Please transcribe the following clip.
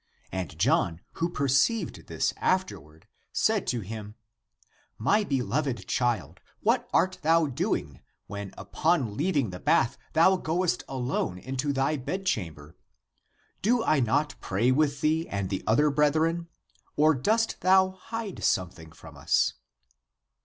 And John, who perceived this afterward, said to him, " My beloved child, what art thou doing, when upon leaving the bath thou goest alone into thy bed chamber? Do I not pray with thee and the other brethren ? Or dost thou hide something from us